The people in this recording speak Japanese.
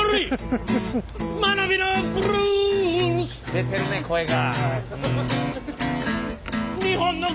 出てるね声が。